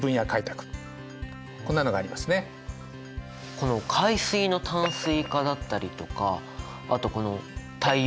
この「海水の淡水化」だったりとかあとこの「太陽電池」